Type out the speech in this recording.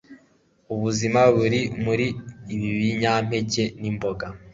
Ubuzima buri muri ibi binyampeke nimboga